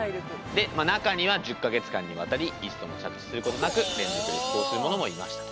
で中には１０か月間にわたり一度も着地することなく連続で飛行するものもいましたと。